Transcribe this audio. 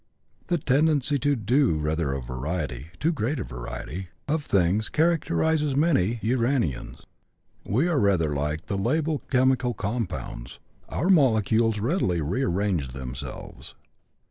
The tendency to do rather a variety (too great a variety) of things characterizes many uranians. We are rather like the labile chemical compounds: our molecules readily rearrange themselves.